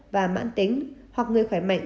và mãn tính hoặc người khỏe mạnh